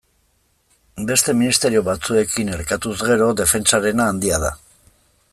Beste ministerio batzuekin erkatuz gero, defentsarena handia da.